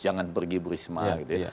jangan pergi bu risma gitu ya